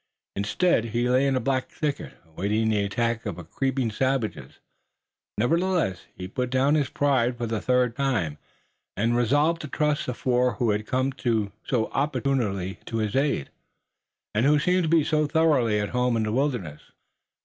Instead he lay in a black thicket, awaiting the attack of creeping savages. Nevertheless, he put down his pride for the third time, and resolved to trust the four who had come so opportunely to his aid, and who seemed to be so thoroughly at home in the wilderness.